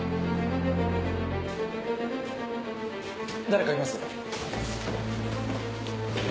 誰かいます。